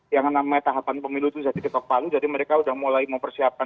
yang namanya tahapan pemilu itu jadi ketok palu jadi mereka sudah mulai mempersiapkan